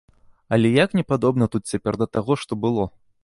Але як не падобна тут цяпер да таго, што было!